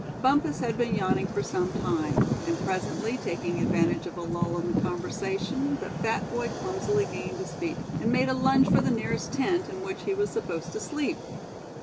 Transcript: Bumpus had been yawning for some time; and presently, taking advantage of a lull in the conversation the fat boy clumsily gained his feet, and made a lunge for the nearest tent, in which he was supposed to sleep.